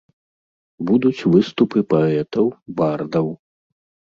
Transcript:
Будуць выступы паэтаў, бардаў.